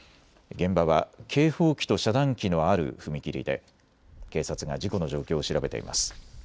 現場は警報機と遮断機のある踏切で警察が事故の状況を調べています。